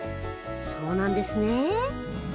そうなんですね。